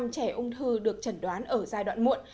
hai mươi trẻ ung thư được chẩn đoán ở giai đoạn muộn